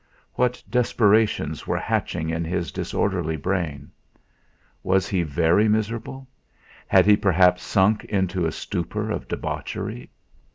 What desperations were hatching in his disorderly brain? Was he very miserable; had he perhaps sunk into a stupor of debauchery?